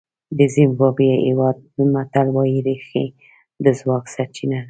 د زیمبابوې هېواد متل وایي رېښې د ځواک سرچینه ده.